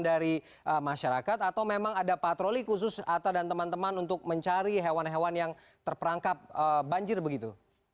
dari masyarakat atau memang ada patroli khusus atta dan teman teman untuk mencari hewan hewan yang terperangkap banjir begitu